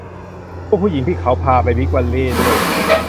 พวกผู้หญิงที่พวกเขาพาไปบิ๊กวัลเลย์ด้วย